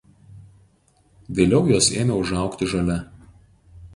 Vėliau jos ėmė užaugti žole.